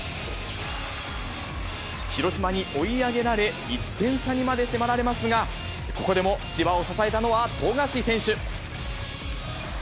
広島に追い上げられ、１点差にまで迫られますが、ここでも千葉を支えたのは富樫選手。